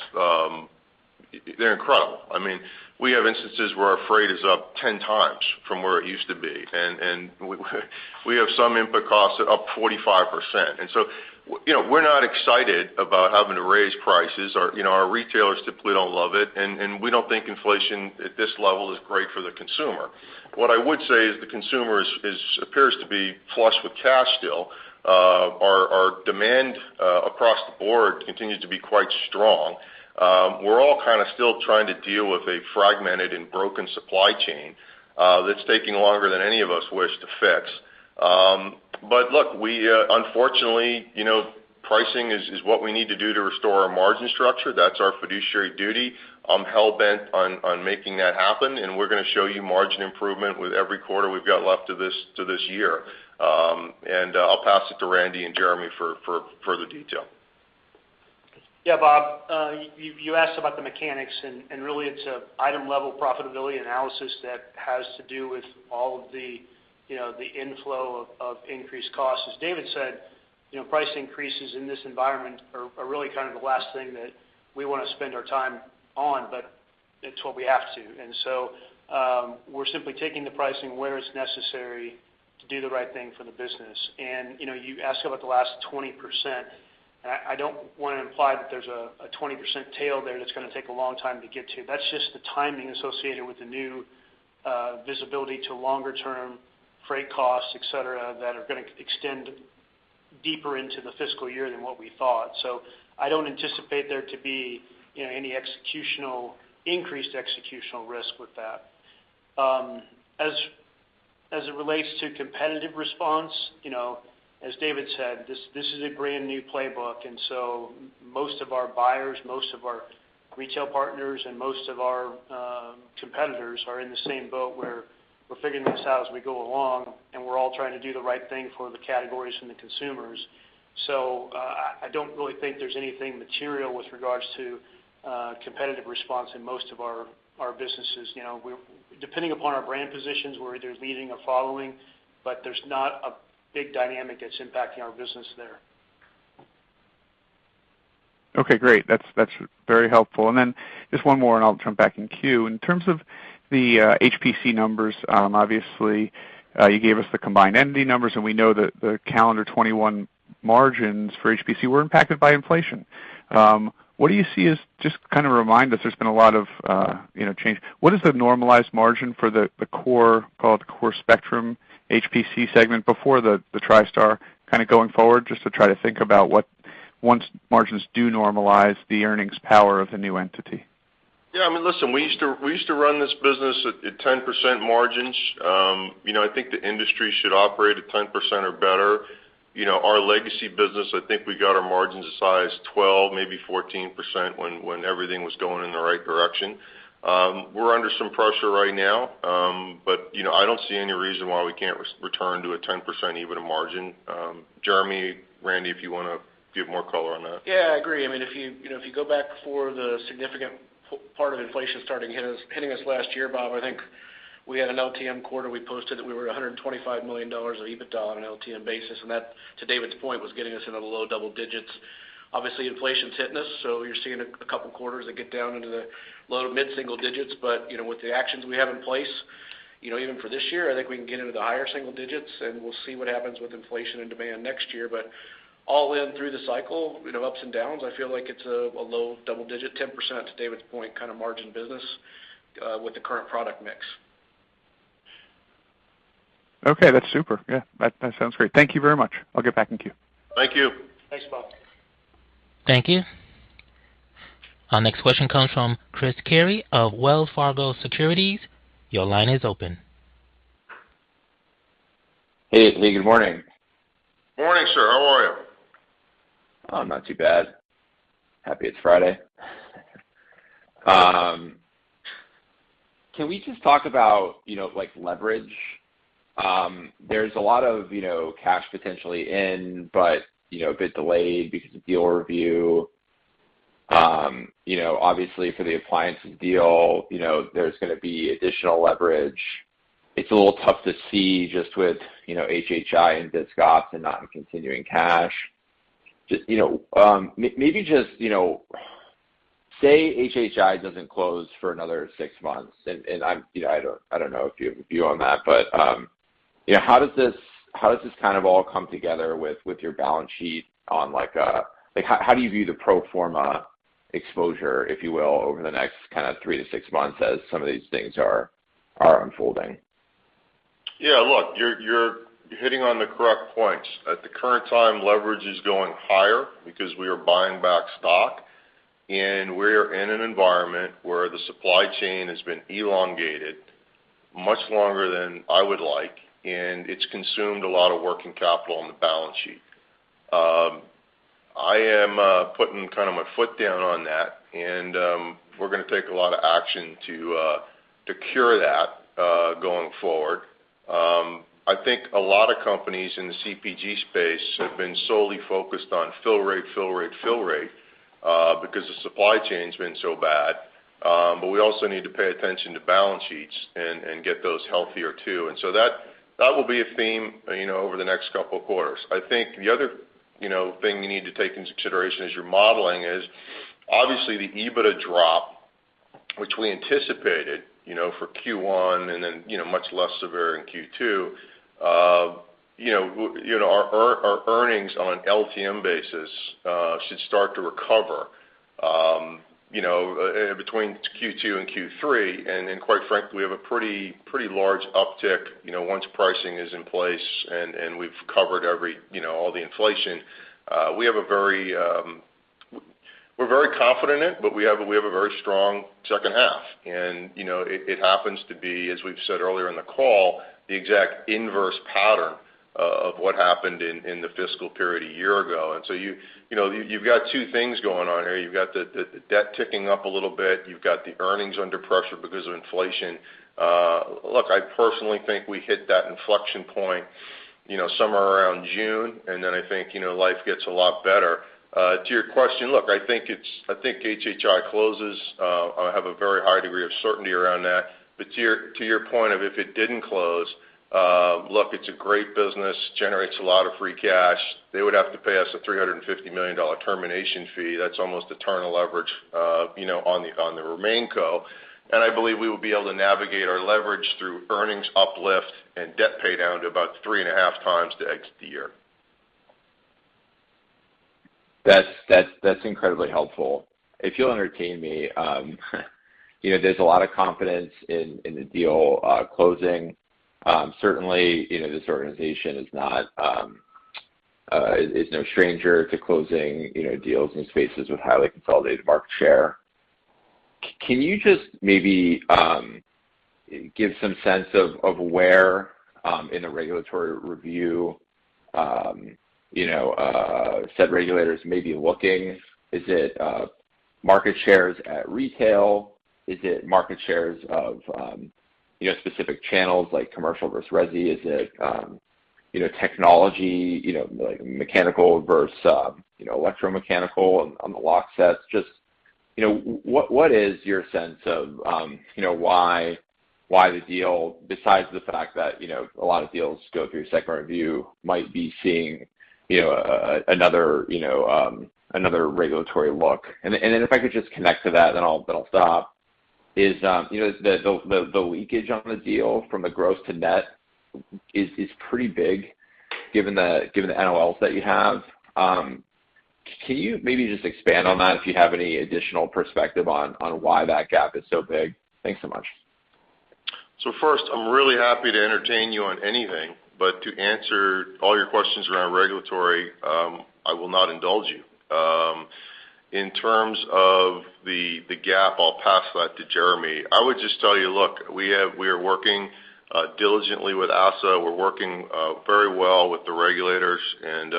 they're incredible. I mean, we have instances where our freight is up 10x from where it used to be. We have some input costs up 45%. You know, we're not excited about having to raise prices. Our, you know, our retailers typically don't love it, and we don't think inflation at this level is great for the consumer. What I would say is the consumer appears to be flush with cash still. Our demand across the board continues to be quite strong. We're all kinda still trying to deal with a fragmented and broken supply chain that's taking longer than any of us wish to fix. Look, we, unfortunately, you know, pricing is what we need to do to restore our margin structure. That's our fiduciary duty. I'm hell-bent on making that happen, and we're gonna show you margin improvement with every quarter we've got left to this year. I'll pass it to Randy and Jeremy for further detail. Yeah, Bob. You asked about the mechanics, and really it's a item-level profitability analysis that has to do with all of the, you know, the inflow of increased costs. As David said, you know, price increases in this environment are really kind of the last thing that we wanna spend our time on, but it's what we have to. You know, you asked about the last 20%, and I don't wanna imply that there's a 20% tail there that's gonna take a long time to get to. That's just the timing associated with the new visibility to longer-term freight costs, et cetera, that are gonna extend deeper into the fiscal year than what we thought. I don't anticipate there to be, you know, any increased executional risk with that. As it relates to competitive response, you know, as David said, this is a brand new playbook. Most of our buyers, most of our retail partners, and most of our competitors are in the same boat where we're figuring this out as we go along, and we're all trying to do the right thing for the categories and the consumers. I don't really think there's anything material with regards to competitive response in most of our businesses. You know, depending upon our brand positions, we're either leading or following, but there's not a big dynamic that's impacting our business there. Okay, great. That's very helpful. Then just one more, and I'll turn back in queue. In terms of the HPC numbers, obviously, you gave us the combined entity numbers, and we know that the calendar 2021 margins for HPC were impacted by inflation. Just to kind of remind us, there's been a lot of, you know, change. What is the normalized margin for the core, call it the core Spectrum HPC segment before the Tristar kind of going forward, just to try to think about what, when margins do normalize, the earnings power of the new entity? Yeah, I mean, listen, we used to run this business at 10% margins. You know, I think the industry should operate at 10% or better. You know, our legacy business, I think we got our margins as high as 12, maybe 14% when everything was going in the right direction. We're under some pressure right now, but, you know, I don't see any reason why we can't return to a 10% EBITDA margin. Jeremy, Randy, if you wanna give more color on that. Yeah, I agree. I mean, if, you know, if you go back before the significant part of inflation hitting us last year, Bob, I think we had an LTM quarter we posted that we were at $125 million of EBITDA on an LTM basis. That, to David's point, was getting us into the low double digits. Obviously, inflation's hitting us, so you're seeing a couple quarters that get down into the low to mid-single digits. You know, with the actions we have in place, you know, even for this year, I think we can get into the higher single digits, and we'll see what happens with inflation and demand next year. All in through the cycle, you know, ups and downs, I feel like it's a low double digit, 10%, to David's point, kind of margin business with the current product mix. Okay, that's super. Yeah, that sounds great. Thank you very much. I'll get back in queue. Thank you. Thanks, Bob. Thank you. Our next question comes from Chris Carey of Wells Fargo Securities. Your line is open. Hey. Hey, good morning. Morning, sir. How are you? I'm not too bad. Happy it's Friday. Can we just talk about, you know, like, leverage? There's a lot of, you know, cash potentially in, but, you know, a bit delayed because of deal review. You know, obviously for the Appliances deal, you know, there's gonna be additional leverage. It's a little tough to see just with, you know, HHI and DiscOps and not in continuing cash. Just, you know, maybe just, you know, say HHI doesn't close for another six months, and I'm, you know, I don't know if you have a view on that, but, you know, how does this kind of all come together with your balance sheet on like a like how do you view the pro forma exposure, if you will, over the next kind of three to six months as some of these things are unfolding? Yeah. Look, you're hitting on the correct points. At the current time, leverage is going higher because we are buying back stock, and we're in an environment where the supply chain has been elongated much longer than I would like, and it's consumed a lot of working capital on the balance sheet. I am putting kind of my foot down on that, and we're gonna take a lot of action to cure that going forward. I think a lot of companies in the CPG space have been solely focused on fill rate because the supply chain's been so bad. But we also need to pay attention to balance sheets and get those healthier too. That will be a theme, you know, over the next couple of quarters. I think the other, you know, thing you need to take into consideration as you're modeling is obviously the EBITDA drop, which we anticipated, you know, for Q1, and then, you know, much less severe in Q2. You know, our earnings on an LTM basis should start to recover, you know, between Q2 and Q3. Then, quite frankly, we have a pretty large uptick, you know, once pricing is in place and we've covered every, you know, all the inflation. We have a very strong second half. We're very confident in it, but we have a very strong second half. You know, it happens to be, as we've said earlier in the call, the exact inverse pattern of what happened in the fiscal period a year ago. You know, you've got two things going on here. You've got the debt ticking up a little bit. You've got the earnings under pressure because of inflation. Look, I personally think we hit that inflection point, you know, somewhere around June, and then I think, you know, life gets a lot better. To your question, look, I think it's. I think HHI closes. I have a very high degree of certainty around that. But to your point of if it didn't close, look, it's a great business, generates a lot of free cash. They would have to pay us a $350 million termination fee. That's almost external leverage, you know, on the RemainCo. I believe we will be able to navigate our leverage through earnings uplift and debt pay down to about 3.5x to exit the year. That's incredibly helpful. If you'll entertain me, you know, there's a lot of confidence in the deal closing. Certainly, you know, this organization is no stranger to closing, you know, deals in spaces with highly consolidated market share. Can you just maybe give some sense of where in the regulatory review, you know, said regulators may be looking? Is it market shares at retail? Is it market shares of, you know, specific channels like commercial versus resi? Is it, you know, technology, you know, like mechanical versus, you know, electromechanical on the lock sets? Just, you know, what is your sense of, you know, why the deal, besides the fact that, you know, a lot of deals go through second review, might be seeing, you know, another regulatory look? If I could just connect to that, then I'll stop. You know, the leakage on the deal from the gross to net is pretty big given the NOLs that you have. Can you maybe just expand on that if you have any additional perspective on why that gap is so big? Thanks so much. First, I'm really happy to entertain you on anything, but to answer all your questions around regulatory, I will not indulge you. In terms of the GAAP, I'll pass that to Jeremy. I would just tell you, look, we are working diligently with ASSA ABLOY. We're working very well with the regulators, and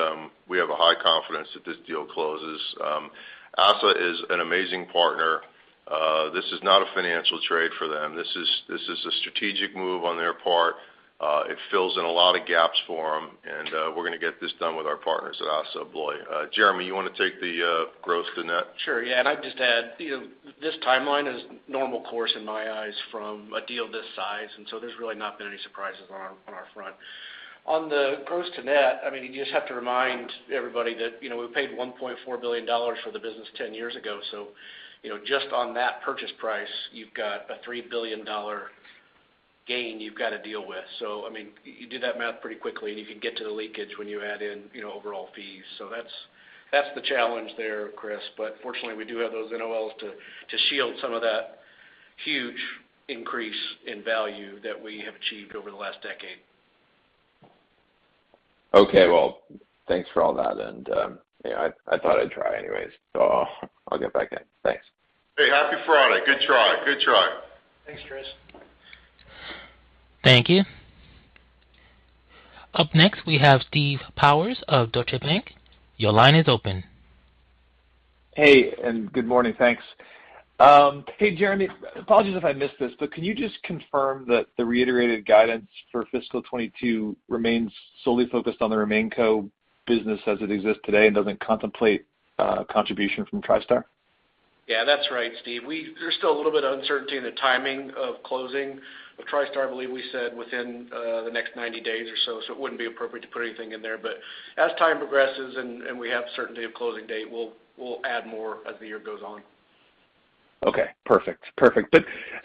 we have a high confidence that this deal closes. ASSA ABLOY is an amazing partner. This is not a financial trade for them. This is a strategic move on their part. It fills in a lot of gaps for them, and we're gonna get this done with our partners at ASSA ABLOY. Jeremy, you wanna take the gross to net? Sure. Yeah. I'd just add, you know, this timeline is normal course in my eyes from a deal this size, and so there's really not been any surprises on our front. On the gross to net, I mean, you just have to remind everybody that, you know, we paid $1.4 billion for the business 10 years ago. You know, just on that purchase price, you've got a $3 billion gain you've got to deal with. I mean, you do that math pretty quickly, and you can get to the leakage when you add in, you know, overall fees. That's the challenge there, Chris. Fortunately, we do have those NOLs to shield some of that huge increase in value that we have achieved over the last decade. Okay. Well, thanks for all that. Yeah, I thought I'd try anyways, so I'll get back in. Thanks. Hey, happy Friday. Good try. Thanks, Chris. Thank you. Up next, we have Steve Powers of Deutsche Bank. Your line is open. Hey, good morning. Thanks. Hey, Jeremy, apologies if I missed this, but can you just confirm that the reiterated guidance for fiscal 2022 remains solely focused on the RemainCo business as it exists today and doesn't contemplate contribution from Tristar? Yeah, that's right, Steve. There's still a little bit of uncertainty in the timing of closing of Tristar. I believe we said within the next 90 days or so it wouldn't be appropriate to put anything in there. But as time progresses and we have certainty of closing date, we'll add more as the year goes on. Okay. Perfect.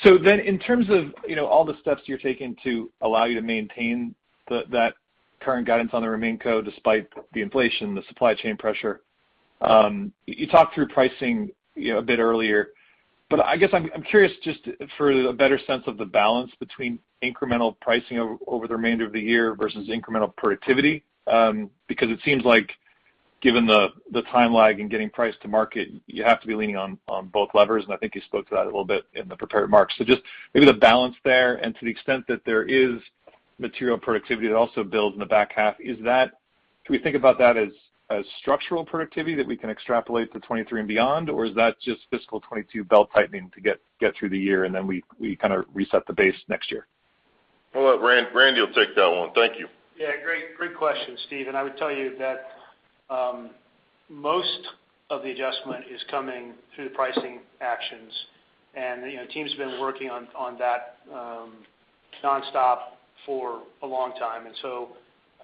In terms of, you know, all the steps you're taking to allow you to maintain that current guidance on the RemainCo despite the inflation, the supply chain pressure, you talked through pricing, you know, a bit earlier. I guess I'm curious just for a better sense of the balance between incremental pricing over the remainder of the year versus incremental productivity, because it seems like given the time lag in getting price to market, you have to be leaning on both levers, and I think you spoke to that a little bit in the prepared remarks. Just maybe the balance there and to the extent that there is material productivity that also builds in the back half, is that should we think about that as structural productivity that we can extrapolate to 2023 and beyond? Is that just fiscal 2022 belt-tightening to get through the year, and then we kind of reset the base next year? I'll let Randy take that one. Thank you. Yeah. Great question, Steve. I would tell you that most of the adjustment is coming through the pricing actions. You know, team's been working on that nonstop for a long time.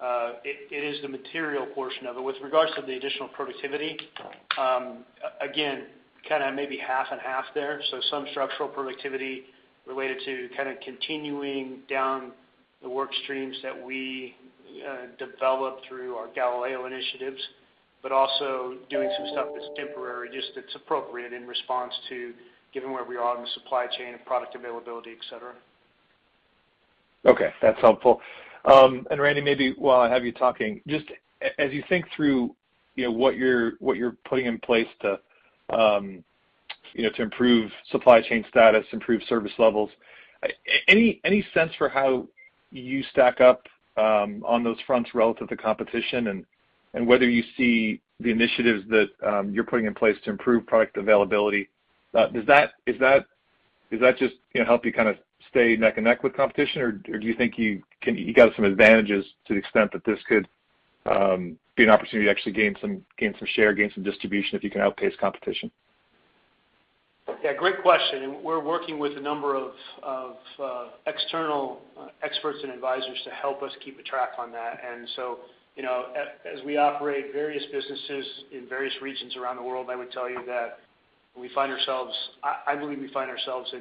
It is the material portion of it. With regards to the additional productivity, again, kinda maybe half and half there. Some structural productivity related to kind of continuing down the work streams that we develop through our Galileo initiatives, but also doing some stuff that's temporary, just it's appropriate in response to given where we are in the supply chain and product availability, et cetera. Okay, that's helpful. Randy, maybe while I have you talking, just as you think through, you know, what you're putting in place to, you know, to improve supply chain status, improve service levels, any sense for how you stack up on those fronts relative to competition and whether you see the initiatives that you're putting in place to improve product availability? Does that just help you kind of stay neck and neck with competition, or do you think you got some advantages to the extent that this could be an opportunity to actually gain some share, gain some distribution if you can outpace competition? Yeah, great question. We're working with a number of external experts and advisors to help us keep track on that. As we operate various businesses in various regions around the world, I would tell you that I believe we find ourselves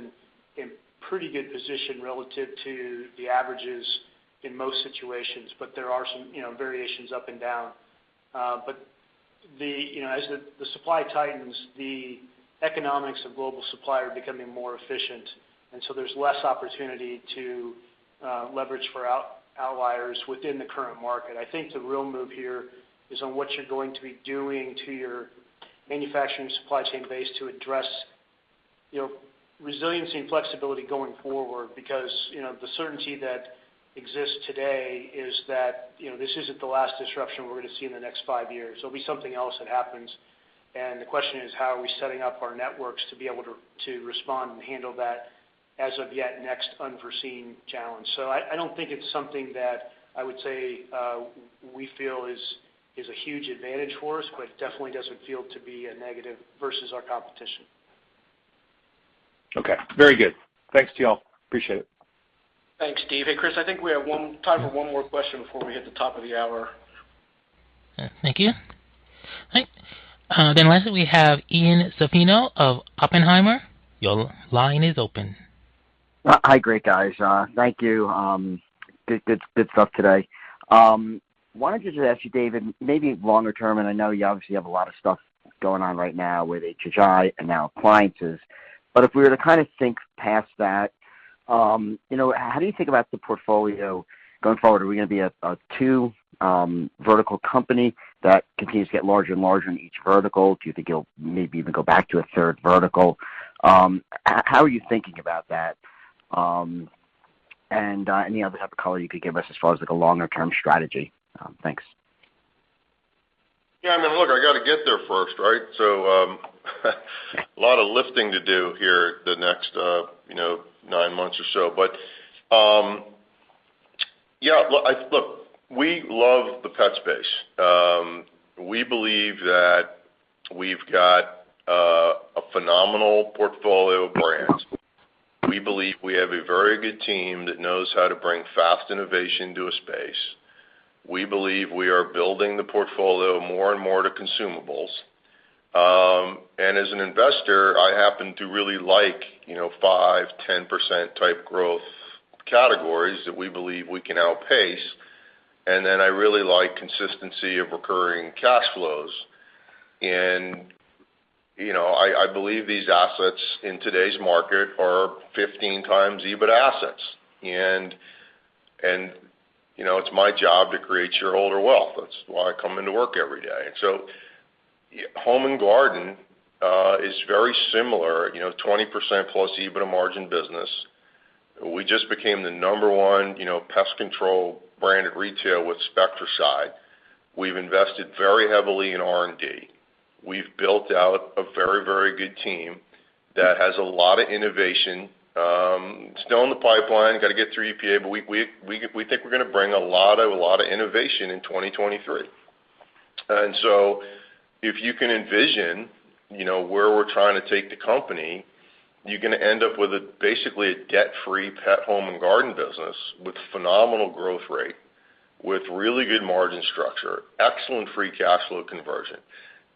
in pretty good position relative to the averages in most situations, but there are some variations up and down. As the supply tightens, the economics of global supply are becoming more efficient, and there's less opportunity to leverage for outliers within the current market. I think the real move here is on what you're going to be doing to your Manufacturing supply chain base to address, you know, resiliency and flexibility going forward because, you know, the certainty that exists today is that, you know, this isn't the last disruption we're gonna see in the next five years. There'll be something else that happens, and the question is how are we setting up our networks to be able to respond and handle that as of yet next unforeseen challenge. So I don't think it's something that I would say we feel is a huge advantage for us, but it definitely doesn't feel to be a negative versus our competition. Okay. Very good. Thanks to y'all. Appreciate it. Thanks, Steve. Hey, Chris, I think we have time for one more question before we hit the top of the hour. Thank you. All right, then lastly we have Ian Zaffino of Oppenheimer. Your line is open. Hi. Great guys. Thank you. Good stuff today. Wanted to just ask you, David, maybe longer term, and I know you obviously have a lot of stuff going on right now with HHI and now Appliances, but if we were to kinda think past that, you know, how do you think about the portfolio going forward? Are we gonna be a two vertical company that continues to get larger and larger in each vertical? Do you think you'll maybe even go back to a third vertical? How are you thinking about that? And any other type of color you could give us as far as like a longer-term strategy? Thanks. Yeah, I mean, look, I gotta get there first, right? A lot of lifting to do here the next, you know, nine months or so. Yeah, look, we love the pet space. We believe that we've got a phenomenal portfolio of brands. We believe we have a very good team that knows how to bring fast innovation to a space. We believe we are building the portfolio more and more to consumables. As an investor, I happen to really like, you know, 5%-10% type growth categories that we believe we can outpace, and then I really like consistency of recurring cash flows. You know, I believe these assets in today's market are 15x EBIT assets. You know, it's my job to create shareholder wealth. That's why I come into work every day. Home and Garden is very similar, you know, 20% EBITDA margin business. We just became the number one, you know, pest control brand in retail with Spectracide. We've invested very heavily in R&D. We've built out a very good team that has a lot of innovation still in the pipeline, gotta get through EPA, but we think we're gonna bring a lot of innovation in 2023. If you can envision, you know, where we're trying to take the company, you're gonna end up with basically a debt-free Pet, Home, and Garden business with phenomenal growth rate, with really good margin structure, excellent free cash flow conversion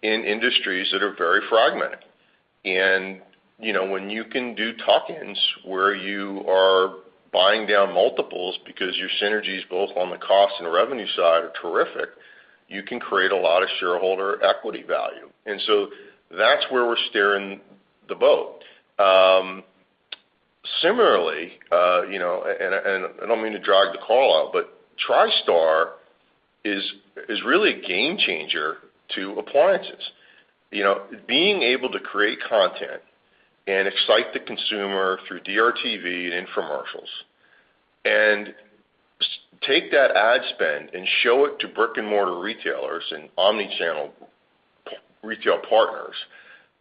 in industries that are very fragmented. You know, when you can do tuck-ins where you are buying down multiples because your synergies both on the cost and the revenue side are terrific, you can create a lot of shareholder equity value. That's where we're steering the boat. Similarly, you know, I don't mean to drag the call out, but Tristar is really a game changer to Appliances. You know, being able to create content and excite the consumer through DRTV and infomercials and take that ad spend and show it to brick-and-mortar retailers and omni-channel retail partners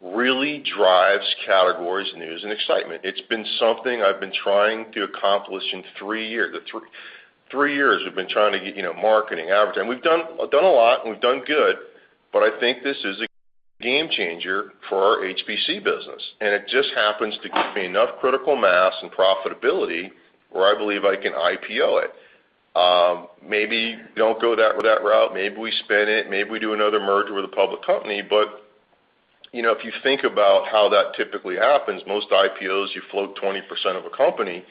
really drives categories, news, and excitement. It's been something I've been trying to accomplish in three years. The three years we've been trying to get, you know, marketing, advertising. We've done a lot, and we've done good, but I think this is a game changer for our HPC business. It just happens to give me enough critical mass and profitability where I believe I can IPO it. Maybe don't go that route. Maybe we spin it. Maybe we do another merger with a public company. You know, if you think about how that typically happens, most IPOs, you float 20% of a company.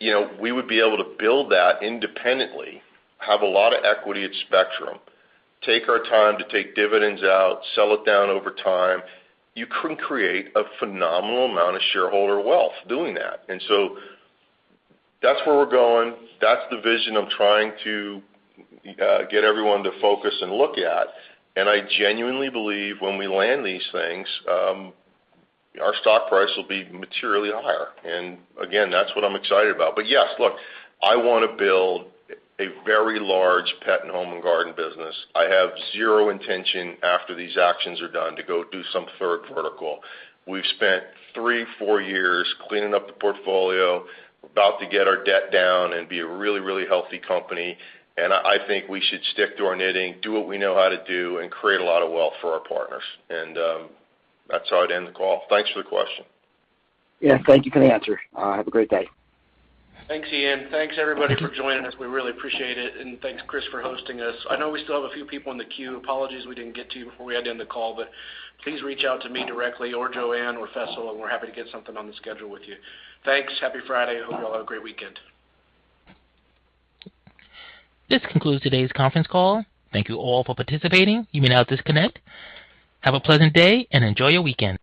You know, we would be able to build that independently, have a lot of equity at Spectrum, take our time to take dividends out, sell it down over time. You can create a phenomenal amount of shareholder wealth doing that. That's where we're going. That's the vision I'm trying to get everyone to focus and look at. I genuinely believe when we land these things, our stock price will be materially higher. Again, that's what I'm excited about. Yes, look, I wanna build a very large Pet and Home and Garden business. I have zero intention after these actions are done to go do some third vertical. We've spent three to four years cleaning up the portfolio. We're about to get our debt down and be a really, really healthy company. I think we should stick to our knitting, do what we know how to do, and create a lot of wealth for our partners. That's how I'd end the call. Thanks for the question. Yeah. Thank you for the answer. Have a great day. Thanks, Ian. Thanks, everybody, for joining us. We really appreciate it. Thanks, Chris, for hosting us. I know we still have a few people in the queue. Apologies we didn't get to you before we had to end the call, but please reach out to me directly or Joanne or Faisal, and we're happy to get something on the schedule with you. Thanks. Happy Friday. Hope you all have a great weekend. This concludes today's conference call. Thank you all for participating. You may now disconnect. Have a pleasant day, and enjoy your weekend.